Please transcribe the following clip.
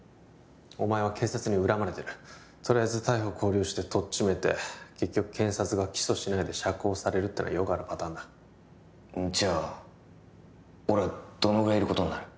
お前は警察に恨まれてるとりあえず逮捕勾留してとっちめて結局検察が起訴しないで釈放されるってのはよくあるパターンだじゃあ俺はどのぐらいいることになる？